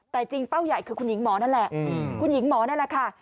แต่จริงเป้าใหญ่คือคุณหญิงหมอนั่นแหละคุณหญิงหมอนั่นแหละค่ะ